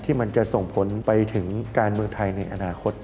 มันจะส่งผลไปถึงการเมืองไทยในอนาคต